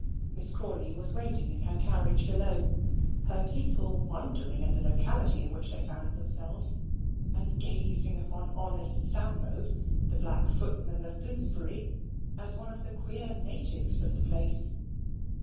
Miss Crawley was waiting in her carriage below, her people wondering at the locality in which they found themselves, and gazing upon honest Sambo, the black footman of Bloomsbury, as one of the queer natives of the place.